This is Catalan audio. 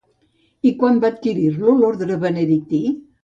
I quan va adquirir-lo l'orde benedictí?